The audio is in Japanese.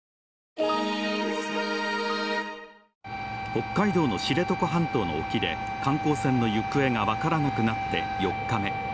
北海道の知床半島の沖で観光船の行方が分からなくなって４日目。